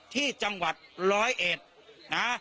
ที่จังหวัดร้อยเอ็ดนะ